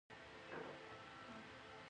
انسان همېشه د خپل ژوند له پاره هوسایني برابروي.